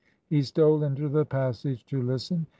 He stole into the passage to listen.